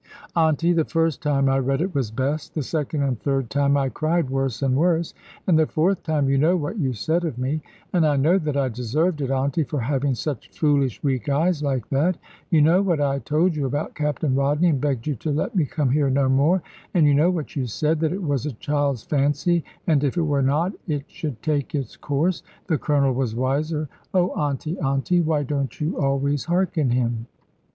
"Auntie, the first time I read it was best. The second and third time, I cried worse and worse; and the fourth time, you know what you said of me. And I know that I deserved it, Auntie, for having such foolish weak eyes like that. You know what I told you about Captain Rodney, and begged you to let me come here no more. And you know what you said that it was a child's fancy; and if it were not, it should take its course. The Colonel was wiser. Oh, Auntie, Auntie! why don't you always harken him!"